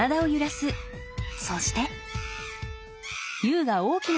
そして。